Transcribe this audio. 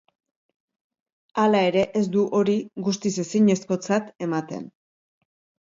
Hala ere, ez du hori guztiz ezinezkotzat ematen.